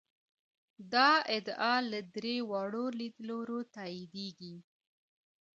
دا ادعا له درې واړو لیدلورو تاییدېږي.